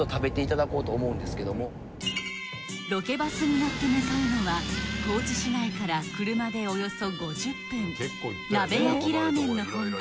ロケバスに乗って向かうのは高知市内から車でおよそ５０分鍋焼きラーメンの本場